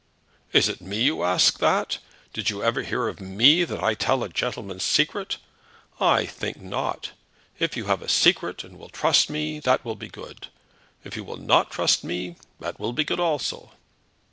"Is it me you ask that? Did you ever hear of me that I tell a gentleman's secret? I think not. If you have a secret, and will trust me, that will be good; if you will not trust me, that will be good also."